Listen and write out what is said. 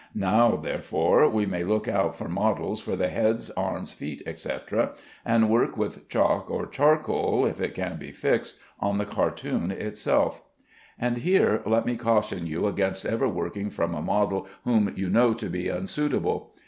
Now, therefore, we may look out for models for the heads, arms, feet, etc., and work with chalk or charcoal (if it can be fixed) on the cartoon itself. And here let me caution you against ever working from a model whom you know to be unsuitable.